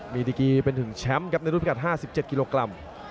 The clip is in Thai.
มีดีกีเป็นถึงแชมป์ครับในรุ่นพิกัด๕๗กิโลกรัม